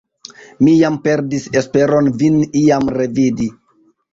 Mi jam perdis esperon vin iam revidi!